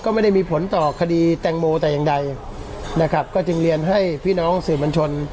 ก็ไม่ได้มีผลต่อคดีแตงโมแต่อย่างใดนะครับก็จึงเรียนให้พี่น้องสื่อมวลชน